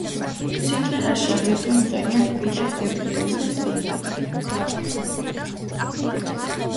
სიმღერაში აგრეთვე მღერიან პიტერ გებრიელი და სტინგი.